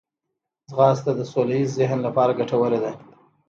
ځغاسته د سوله ییز ذهن لپاره ګټوره ده